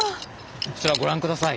こちらご覧下さい。